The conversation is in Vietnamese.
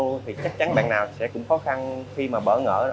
nói vô thì chắc chắn bạn nào cũng khó khăn khi mà bỡ ngỡ